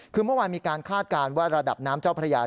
คือเมื่อวานมีการคาดการณ์ว่าระดับน้ำเจ้าพระยา